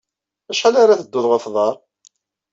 Acḥal ara tedduḍ ɣef uḍar?